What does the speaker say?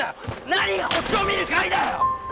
なにが星を見る会だよ！